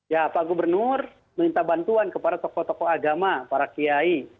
ya pak gubernur minta bantuan kepada tokoh tokoh agama para kiai